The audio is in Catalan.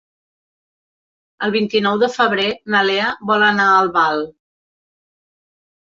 El vint-i-nou de febrer na Lea vol anar a Albal.